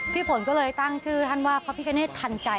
พี่ฝนก็เลยตั้งชื่อท่านว่าพระพิกเนธทันใจ